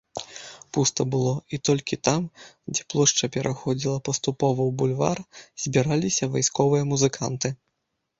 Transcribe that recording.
Пуста было, і толькі там, дзе плошча пераходзіла паступова ў бульвар, збіраліся вайсковыя музыканты.